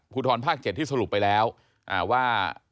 ทรภาค๗ที่สรุปไปแล้วว่า